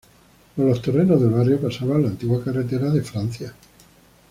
Por los terrenos del barrio pasaba la antigua carretera de Francia.